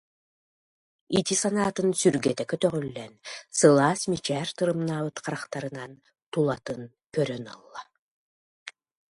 Ити санааттан сүргэтэ көтөҕүллэн сылаас мичээр тырымнаабыт харахтарынан тулатын көрөн ылла